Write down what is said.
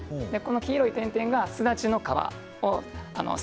黄色い点々が、すだちの皮です。